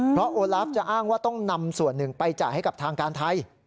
เพราะโอลาฟจะอ้างว่าต้องนำส่วนหนึ่งไปจ่ายให้กับทางการไทย